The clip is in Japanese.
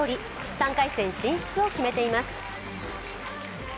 ３回戦進出を決めています。